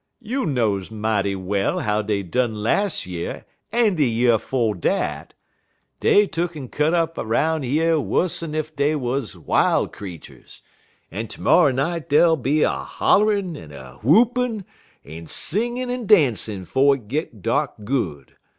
"You knows mighty well how dey done las' year en de year 'fo' dat. Dey tuck'n cut up 'roun' yer wuss'n ef dey 'uz wil' creeturs, en termorrer night dey'll be a hollin' en whoopin' en singin' en dancin' 'fo' it git dark good.